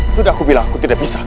sudah aku bilang aku tidak bisa